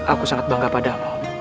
aku sangat bangga padamu